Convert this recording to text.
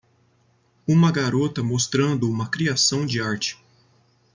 Uma garota mostrando uma criação de arte.